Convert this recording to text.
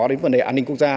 đến vấn đề an ninh quốc gia